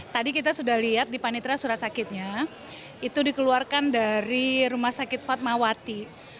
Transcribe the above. tadi kita sudah lihat di panitra surat sakitnya itu dikeluarkan dari rumah sakit fatmawati